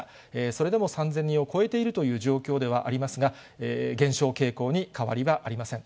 それでも３０００人を超えているという状況ではありますが、減少傾向に変わりはありません。